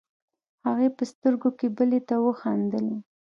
هغې په سترګو کې بلې ته وخندلې.